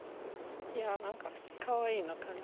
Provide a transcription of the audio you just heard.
いや何かかわいいな感じ。